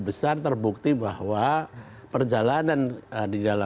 besar terbukti bahwa perjalanan ada dalam performasi launch cukup lama sudah di perhatikan